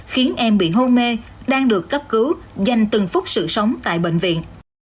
khiến em bị hôn mê đang được cấp cứu dành từng phút sự sống tại bệnh viện